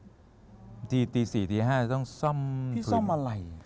บางทีตีสี่ตีห้าจะต้องซ่อมพี่ซ่อมอะไร